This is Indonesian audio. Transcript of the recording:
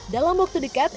dalam waktu dekat